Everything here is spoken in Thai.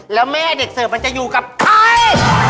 แล้วแม่เด็กเสิร์ฟมันจะอยู่กับใคร